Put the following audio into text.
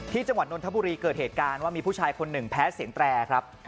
จังหวัดนนทบุรีเกิดเหตุการณ์ว่ามีผู้ชายคนหนึ่งแพ้เสียงแตรครับ